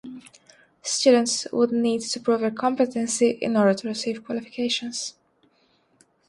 Students would need to prove their competency in order to receive qualifications.